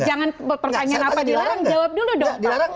jangan pertanyaan apa dilarang jawab dulu dong pak